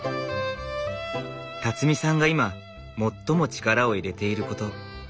さんが今最も力を入れていること。